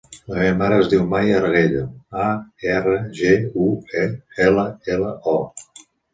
La meva mare es diu Maya Arguello: a, erra, ge, u, e, ela, ela, o.